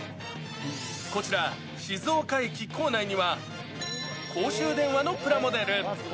こちら静岡駅構内には、公衆電話のプラモデル。